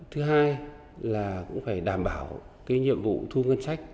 thứ hai là cũng phải đảm bảo cái nhiệm vụ thu ngân sách